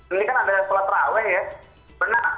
ini kan ada sekolah terawih ya benar